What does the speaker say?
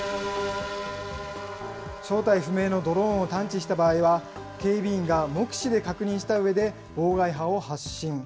正体不明のドローンを探知した場合は、警備員が目視で確認したうえで妨害波を発信。